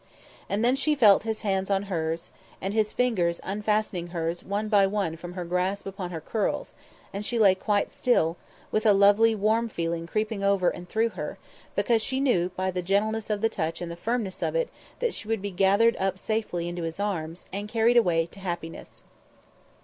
And then she felt his hands on hers, and his fingers unfastening hers one by one from her grasp upon her curls; and she lay quite still; with a lovely warm feeling creeping over and through her, because she knew by the gentleness of the touch and the firmness of it that she would be gathered up safely into his arms, and carried away to happiness.